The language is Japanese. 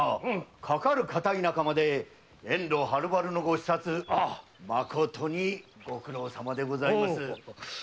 かかる片田舎まで遠路はるばるのご視察まことにご苦労さまでございます。